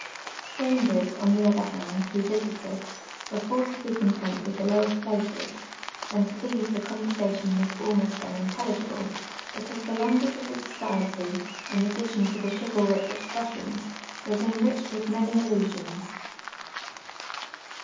Stranp; ers, on the other hand, wha visited, were forced to be content with the lowest ])laces. and! to these the conversation was almost unintelli}j:ible. l)ecau.se the lauf^uage of the society, in addition to the chivalric expres Bions, was enriched with many allusions.